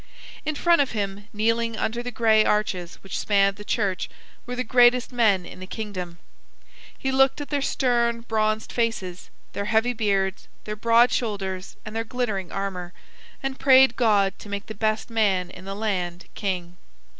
In front of him, kneeling under the gray arches which spanned the church, were the greatest men in the kingdom. He looked at their stern bronzed faces, their heavy beards, their broad shoulders, and their glittering armor, and prayed God to make the best man in the land king.